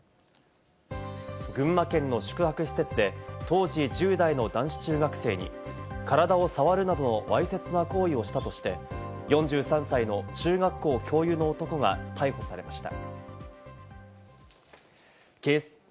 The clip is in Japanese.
群馬県の宿泊施設で当時１０代の男子中学生に体を触るなどのわいせつな行為をしたとして４３歳の中学校教諭の男が逮捕されました。